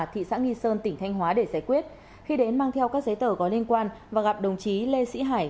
thị xã nghi sơn tỉnh thanh hóa để giải quyết khi đến mang theo các giấy tờ có liên quan và gặp đồng chí lê sĩ hải